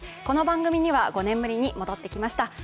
この番組には５年ぶりに戻ってきました。